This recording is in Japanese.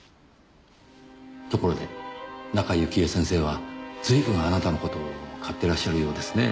ところで中井雪絵先生は随分あなたの事を買ってらっしゃるようですね。